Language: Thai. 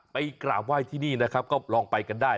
กราบไหว้ที่นี่นะครับก็ลองไปกันได้